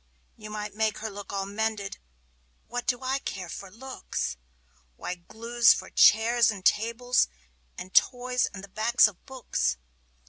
You might make her look all mended but what do I care for looks? Why, glue's for chairs and tables, and toys and the backs of books!